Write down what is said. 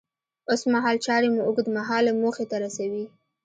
اوسمهال چارې مو اوږد مهاله موخې ته رسوي.